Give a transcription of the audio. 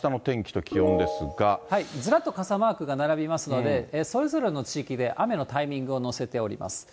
ずらっと傘マークが並びますので、それぞれの地域で雨のタイミングを載せております。